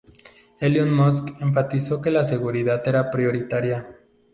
Elon Musk enfatizó que la seguridad era prioritaria.